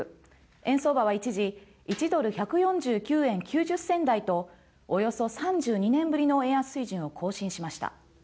円相場は一時、１ドル１４９円９０銭台とおよそ３２年ぶりの円安水準を更新しました。